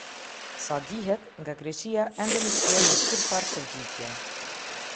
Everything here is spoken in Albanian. Sa dihet, nga Greqia ende nuk erdhi kurrfarë përgjigje.